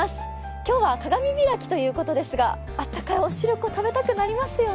今日は鏡開きということですが、あったかいお汁粉、食べたくなりますよね。